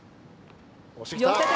押してきた！